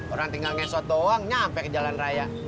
orang tinggal ngesot doang nyampe ke jalan raya